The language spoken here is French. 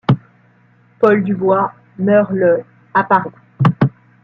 Paul Dubois meurt le à Paris.